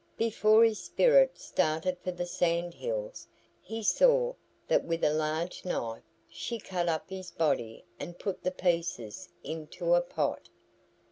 Before his spirit started for the Sand Hills he saw that with a large knife she cut up his body and put the pieces into a pot.